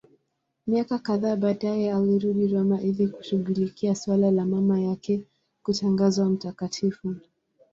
Miaka kadhaa baadaye alirudi Roma ili kushughulikia suala la mama yake kutangazwa mtakatifu.